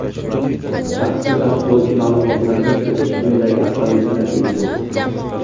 Shaxsni tasdiqlovchi maʼlumotlarni kiritish quyidagi afzalliklarga ega.